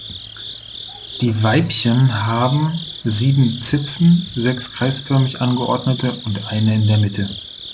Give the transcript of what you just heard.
Die Weibchen haben sieben Zitzen, sechs kreisförmig angeordnete und eine in der Mitte.